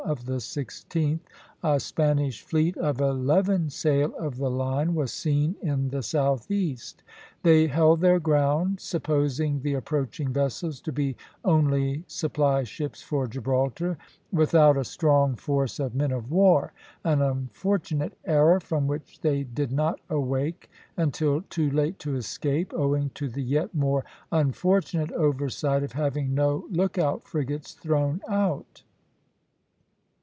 of the 16th, a Spanish fleet of eleven sail of the line was seen in the southeast. They held their ground, supposing the approaching vessels to be only supply ships for Gibraltar, without a strong force of men of war, an unfortunate error from which they did not awake until too late to escape, owing to the yet more unfortunate oversight of having no lookout frigates thrown out.